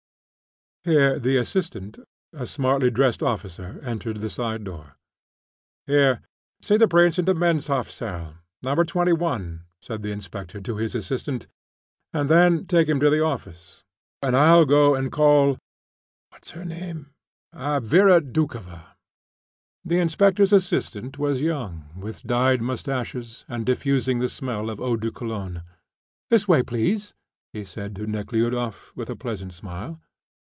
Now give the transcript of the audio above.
Here the assistant, a smartly dressed officer, entered the side door. "Here, see the Prince into Menshoff's cell, No. 21," said the inspector to his assistant, "and then take him to the office. And I'll go and call What's her name? Vera Doukhova." The inspector's assistant was young, with dyed moustaches, and diffusing the smell of eau de cologne. "This way, please," he said to Nekhludoff, with a pleasant smile.